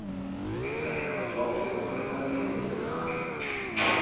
Epailearen autoa ostegun honetan eman dute jakitera.